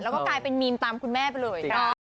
แล้วก็กลายเป็นมีมตามคุณแม่ไปเลย